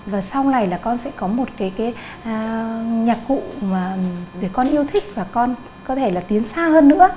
và sau này là con sẽ có một cái nhạc cụ để con yêu thích và con có thể là tiến xa hơn nữa